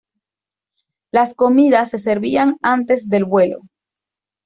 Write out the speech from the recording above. Las comidas se servían antes del vuelo.